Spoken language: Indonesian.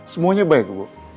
semuanya baik dok